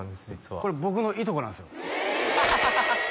これ僕のいとこなんですよええ！